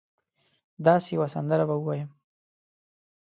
داسي یوه سندره به ووایم